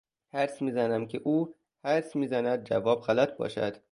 حدس میزنم که او حدس میزند جواب غلط باشد